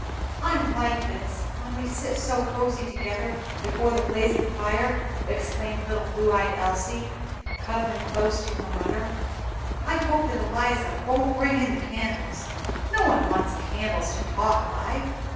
"I like when we sit so cosy together before the blazing fire!" exclaimed little blue eyed Elsie, cuddling close to her mother. "I hope that Eliza won't bring in the candles; no one wants candles to talk by.